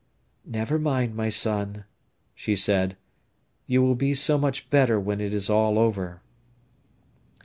"Never mind, my son," she said. "You will be so much better when it is all over."